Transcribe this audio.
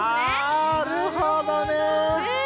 なるほどね。